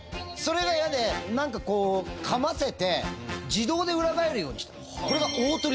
それが嫌でなんかこうかませて自動で裏返るようにした。